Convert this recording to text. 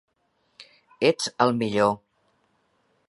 Ets el millor.